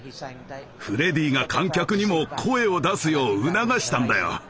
フレディが観客にも声を出すよう促したんだよ！